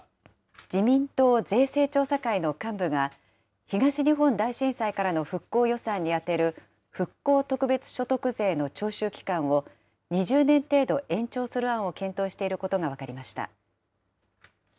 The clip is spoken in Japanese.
自民党税制調査会の幹部が、東日本大震災からの復興予算に充てる復興特別所得税の徴収期間を２０年程度延長する案を検討していることが分かりました。